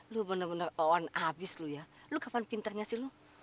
lu bener bener owon abis lu ya lu kapan pintarnya sih lu